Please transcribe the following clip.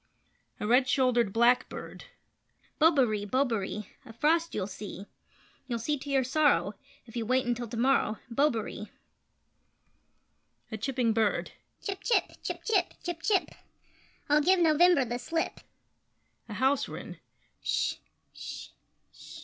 [A Red Shouldered Blackbird]: Bobaree! Bobaree! A frost you'll see You'll see to your sorrow, If you wait until to morrow Bobaree! [A Chipping Bird]: Chip chip! Chip chip! Chip chip! I'll give November the slip! [A House Wren]: Sh! Sh! Sh!